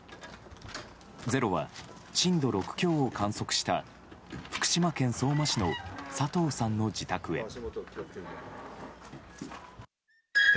「ｚｅｒｏ」は震度６強を観測した福島県相馬市の佐藤さんの自宅へ。